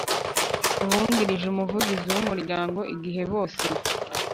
Mu bungirije umuvugizi w umuryango igihe bose